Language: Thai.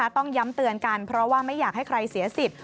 ต้องย้ำเตือนกันเพราะว่าไม่อยากให้ใครเสียสิทธิ์